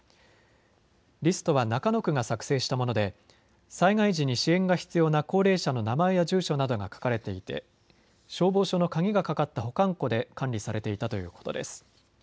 リストは中野区が作成したもので災害時に支援が必要な高齢者の名前や住所などが書かれていて消防署の鍵がかかった保管庫で管理されていたということです。